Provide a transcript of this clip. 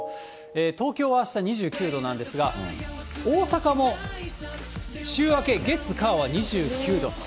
東京はあした２９度なんですが、大阪も週明け、月、火は２９度。